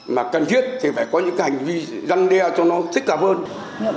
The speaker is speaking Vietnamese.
mà cần thiết thì phải có những hành vi răn đe cho nó thích hợp hơn